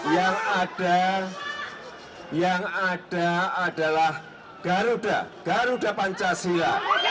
yang ada adalah garuda garuda pancasila